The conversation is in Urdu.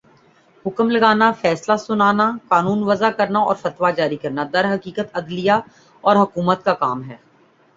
حکم لگانا، فیصلہ سنانا، قانون وضع کرنا اورفتویٰ جاری کرنا درحقیقت، عدلیہ اور حکومت کا کام ہے